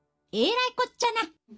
えらいこっちゃな。